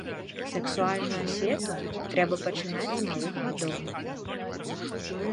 Сексуальную асвету трэба пачынаць з малых гадоў.